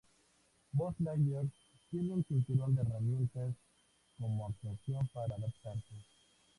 Buzz Lightyear tiene un cinturón de herramientas como una actualización para adaptarse.